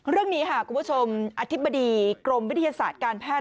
เรื่องนี้ค่ะคุณผู้ชมอธิบดีกรมวิทยาศาสตร์การแพทย์